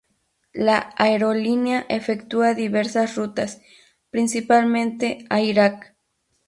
La aerolínea efectúa diversas rutas, principalmente a Irak.